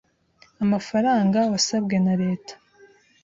amafaranga wasabwe na Leta